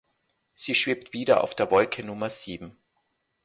Sie schwebt wieder auf der Wolke Nummer sieben.